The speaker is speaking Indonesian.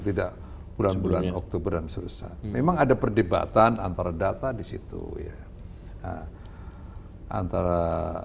tidak bulan bulan oktober dan serius memang ada perdebatan antara data disitu ya antara